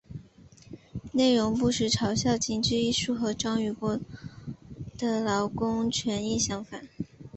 内容不时嘲笑精致艺术和章鱼哥的劳工权益想法。